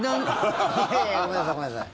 いやいやごめんなさい、ごめんなさい。